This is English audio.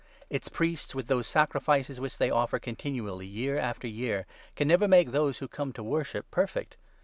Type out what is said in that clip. Its priests, with those sacrifices which they offer continuously year after year, can never make those who come to worship perfect.